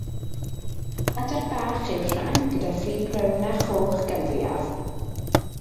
Adar bach yw'r rhain gyda phlu brown a choch gan fwyaf.